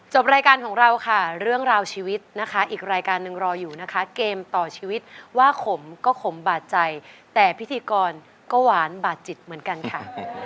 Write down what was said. รายการของเราค่ะเรื่องราวชีวิตนะคะอีกรายการหนึ่งรออยู่นะคะเกมต่อชีวิตว่าขมก็ขมบาดใจแต่พิธีกรก็หวานบาดจิตเหมือนกันค่ะ